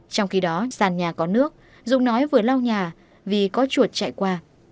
trong khi đó sàn nhà có nước dùng nói vừa lau nhà vì có chuột chạy qua